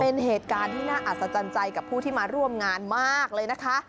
เป็นเหตุการณ์ที่น่าอัศจรรย์ใจกับผู้ที่มาร่วมงานมากเลยนะคะ